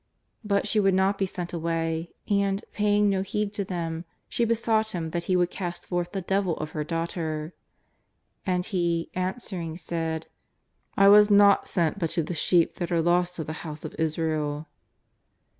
But she would not be sent away, and, paying no heed to them, she besought Him that He would cast forth the devil out of her daughter. And He, answering, said :" I was not sent but to the sheep that are lost of the house of Israel."